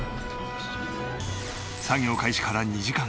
作業開始から２時間。